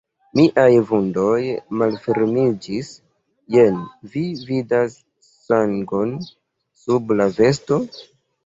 Miaj vundoj malfermiĝis: jen, vi vidas sangon sub la vesto?